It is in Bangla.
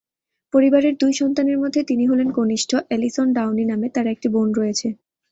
পরিবারের দুই সন্তানের মধ্যে তিনি হলেন কনিষ্ঠ, অ্যালিসন ডাউনি নামে তার একটি বোন রয়েছে।